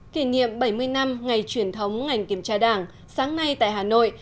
kỷ niệm bảy mươi năm ngày truyền thống ngành kiểm tra đảng sáng nay tại hà nội